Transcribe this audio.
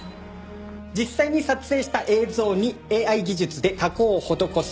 実際に撮影した映像にＡＩ技術で加工を施す。